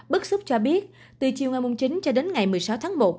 bức xúc cho biết từ chiều ngày chín cho đến ngày một mươi sáu tháng một